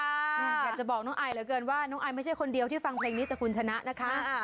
อยากจะบอกน้องไอเหลือเกินว่าน้องไอไม่ใช่คนเดียวที่ฟังเพลงนี้จากคุณชนะนะคะ